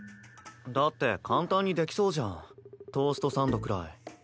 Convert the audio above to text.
だって簡単にできそうじゃんトーストサンドくらい。